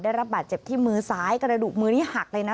ได้รับบาดเจ็บที่มือซ้ายกระดูกมือนี้หักเลยนะ